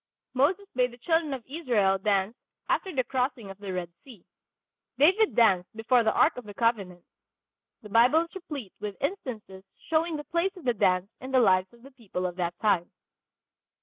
Moses bade the children of Israel dance after the crossing of the Red Sea. David danced before the Ark of the Covenant. The Bible is replete with instances showing the place of the dance in the lives of the people of that time.